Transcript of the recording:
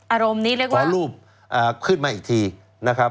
อารมณ์นี้เรียกว่าถ่ายรูปขึ้นมาอีกทีนะครับ